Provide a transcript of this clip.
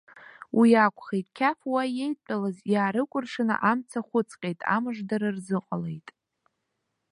Уи акәхеит, қьаф уа иеидтәалаз иаарыкәыршаны амца хәыҵҟьеит, амыждара рзыҟалеит.